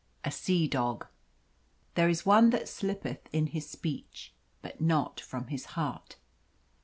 A SEA DOG. There is one that slippeth in his speech, but not from his heart.